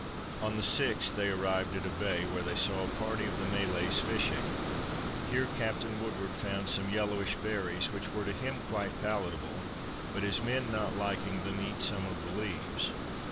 On the sixth they arrived at a bay where they saw a party of the Malays fishing. Here Captain Woodward found some yellowish berries which were to him quite palatable, but his men not liking them eat some of the leaves.